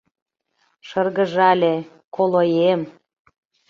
Шыргыжале: «Колоем